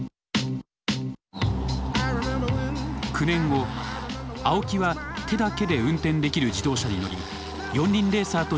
９年後青木は手だけで運転できる自動車に乗り四輪レーサーとして再起。